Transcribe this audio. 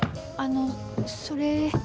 あのそれ。